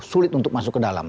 sulit untuk masuk ke dalam